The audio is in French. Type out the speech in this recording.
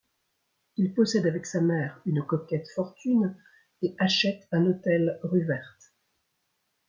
Il possède avec sa mère une coquette fortune et achète un hôtel rue Verte.